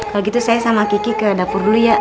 kalau gitu saya sama kiki ke dapur dulu ya